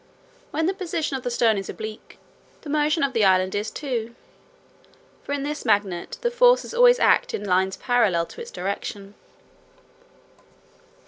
When the position of the stone is oblique, the motion of the island is so too. For in this magnet, the forces always act in lines parallel to its direction.